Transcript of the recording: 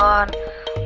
yang banyak teman